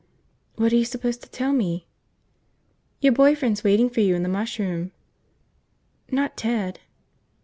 "What are you supposed to tell me?" "Your boy friend's waiting for you in the mush room." "Not Ted?"